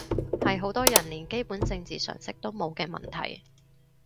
係好多人連基本政治常識都冇嘅問題